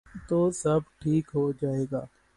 تو سب ٹھیک ہو جائے گا۔